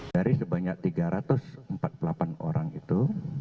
dari sebanyak tiga ratus empat puluh delapan orang itu